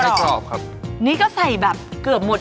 ถ้าเยอะหน่อยก็ใส่เยอะหน่อย